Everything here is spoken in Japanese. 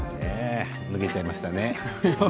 脱げちゃいましたね。